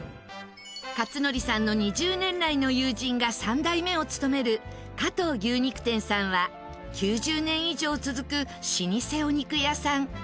克典さんの２０年来の友人が３代目を務める加藤牛肉店さんは９０年以上続く老舗お肉屋さん。